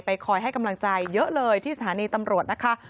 คอยให้กำลังใจเยอะเลยที่สถานีตำรวจนะคะ